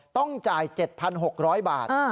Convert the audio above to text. ต้องจ่าย๗๖๐๐บาท